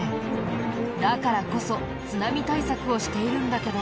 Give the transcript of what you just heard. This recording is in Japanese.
だからこそ津波対策をしているんだけど。